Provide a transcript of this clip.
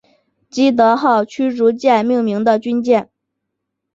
基德号驱逐舰命名的军舰。